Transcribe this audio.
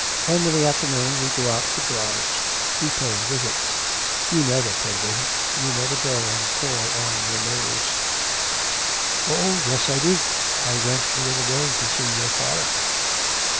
And in the afternoon we go out for drives; we pay visits. You never pay visits; you never go and call on your neighbours.' 'Oh, yes I do; I went the other day to see your father.'